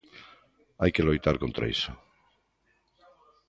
Hai que loitar contra iso.